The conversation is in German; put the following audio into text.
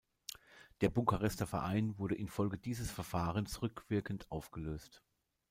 Der Bukarester Verein wurde infolge dieses Verfahrens rückwirkend aufgelöst.